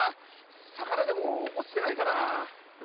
魚でも落ちてないかな。